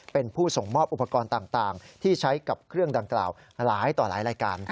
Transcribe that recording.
เป็นผู้ส่งมอบอุปกรณ์ต่างที่ใช้กับเครื่องดังกล่าวหลายต่อหลายรายการ